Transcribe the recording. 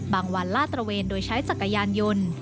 วันลาดตระเวนโดยใช้จักรยานยนต์